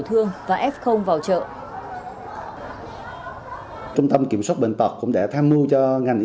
thương và f vào chợ